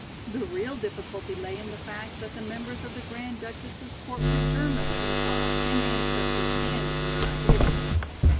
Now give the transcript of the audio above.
The real difficulty lay in the fact that the members of the Grand Duchess's court were Germans in thought, in ancestry and in their ideals.